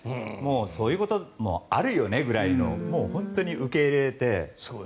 そういうこともあるよねぐらいの本当に受け入れて。